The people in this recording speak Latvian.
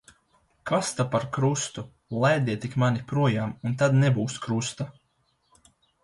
Kas ta par krustu. Laidiet tik mani projām, un tad nebūs krusta.